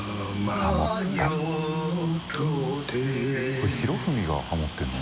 これひろふみがハモってるの？